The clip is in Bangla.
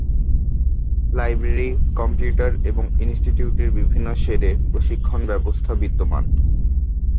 লাইব্রেরী, কম্পিউটার এবং ইন্সটিটিউটের বিভিন্ন শেড এ প্রশিক্ষণ ব্যবস্থা বিদ্যমান।